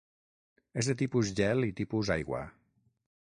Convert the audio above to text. És de tipus gel i tipus aigua.